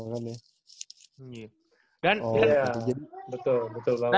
oh iya betul betul